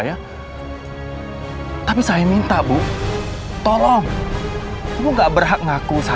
kenapa lagi hari ini bapak ya allah